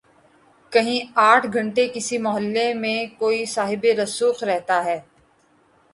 کہیں آٹھ گھنٹے کسی محلے میں کوئی صاحب رسوخ رہتا ہے۔